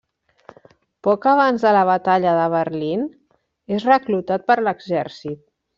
Poc abans de la batalla de Berlín és reclutat per l'exèrcit.